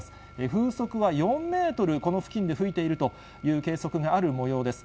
風速は４メートル、この付近で吹いているという計測があるもようです。